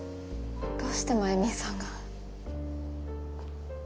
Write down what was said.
どうして繭美さんが。